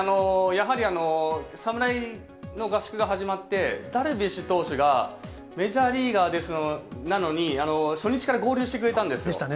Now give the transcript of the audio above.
やはり侍の合宿が始まって、ダルビッシュ投手がメジャーリーガーなのに、初日から合流してくれたんですよ。